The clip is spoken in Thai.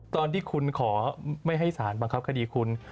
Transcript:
ตอนที่คุณขอไม่ให้สารบังคับคดีคุณ